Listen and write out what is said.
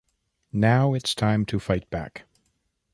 Now, it’s time to fight back.